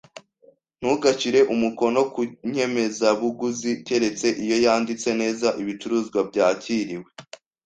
Ntugashyire umukono ku nyemezabuguzi keretse iyo yanditse neza ibicuruzwa byakiriwe.